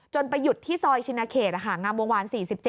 ไปหยุดที่ซอยชินเขตงามวงวาน๔๗